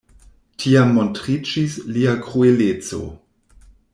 Tiam montriĝis lia krueleco.